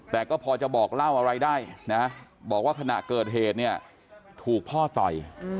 แต่ก็พอจะบอกเล่าอะไรได้นะบอกว่าขณะเกิดเหตุเนี่ยถูกพ่อต่อย